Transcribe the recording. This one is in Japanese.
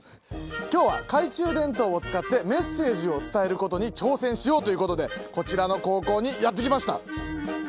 今日は懐中電灯を使ってメッセージを伝えることに挑戦しようということでこちらの高校にやって来ました。